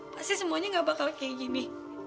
pasti semuanya gak bakal kayak gini